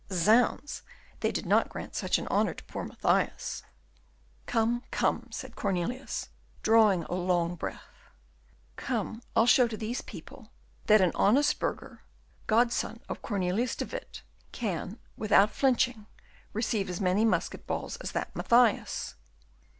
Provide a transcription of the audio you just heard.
Zounds! they did not grant such an honour to poor Mathias." "Come, come!" said Cornelius, drawing a long breath. "Come, I'll show to these people that an honest burgher, godson of Cornelius de Witt, can without flinching receive as many musket balls as that Mathias."